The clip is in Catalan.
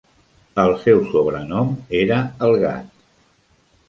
El seu sobrenom era "El Gat".